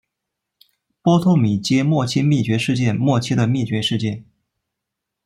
波托米阶末期灭绝事件末期的灭绝事件。